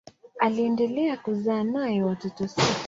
Aliendelea kuzaa naye watoto sita.